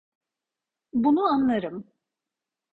Bunu anlarım.